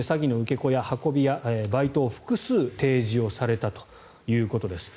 子や運び屋、バイトを複数提示されたということです。